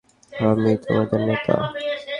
আমি তোমাদের নেতা।